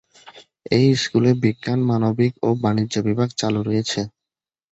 এই স্কুলে বিজ্ঞান, মানবিক ও বাণিজ্য বিভাগ চালু রয়েছে।